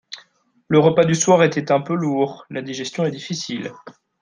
Le repas du soir était un peu lourd, la digestion est difficile